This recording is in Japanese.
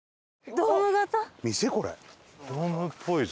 ドームっぽいぞ。